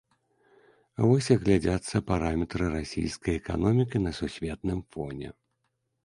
Вось як глядзяцца параметры расійскай эканомікі на сусветным фоне.